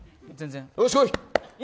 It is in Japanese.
よし、こい！